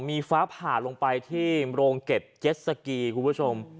มีฟ้าผ่าลงไปที่โรงเก็บเจ็ดสกีคุณผู้ชม